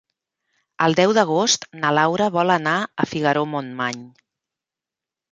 El deu d'agost na Laura vol anar a Figaró-Montmany.